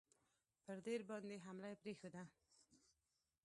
پر دیر باندي حمله یې پرېښوده.